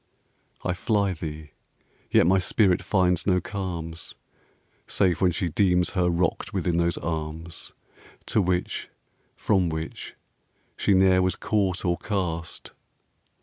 I fly thee, yet my spirit finds no calms Save when she deems her rocked within those arms To which, from which she ne'er was caught or cast.